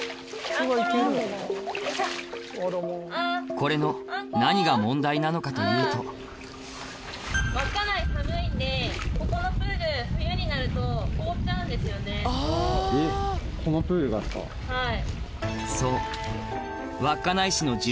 これの何が問題なのかというとはい。